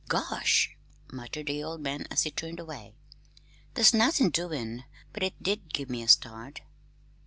"Gosh!" muttered the man as he turned away. "There's nothin' doin' but it did give me a start!"